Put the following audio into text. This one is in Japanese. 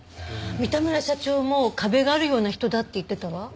三田村社長も壁があるような人だって言ってたわ。